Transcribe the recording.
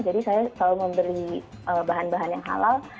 jadi saya selalu membeli bahan bahan yang halal